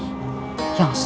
yang seorang yang berpikir